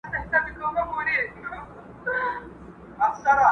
ما د نیل په سیند لیدلي ډوبېدل د فرعونانو!.